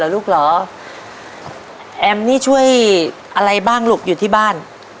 ลูกเหรอแอมนี่ช่วยอะไรบ้างลูกอยู่ที่บ้าน